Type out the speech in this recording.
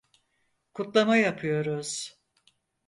Kutlama yapıyoruz.